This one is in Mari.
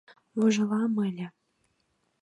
Вожылам ыле!